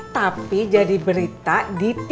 tapi jadi berita di tv